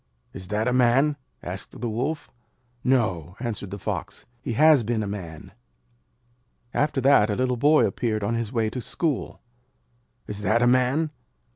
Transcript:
'Is that a Man?' asked the Wolf. 'No,' answered the Fox. 'He has been a Man.' After that, a little boy appeared on his way to school. 'Is that a Man?'